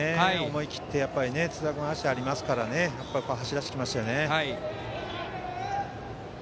思い切って津田君は足がありますから走らせてきましたよね。